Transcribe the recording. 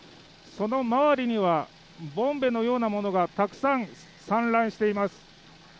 その周りにはボンベのようなものがたくさん、散乱しています。